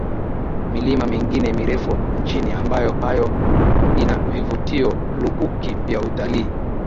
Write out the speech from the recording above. milima mengine mirefu nchini ambayo nayo ina vivutio lukuki vya utalii